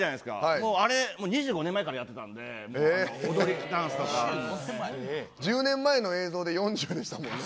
もうあれ、２５年前からやってた１０年前の映像で４０でしたもんね。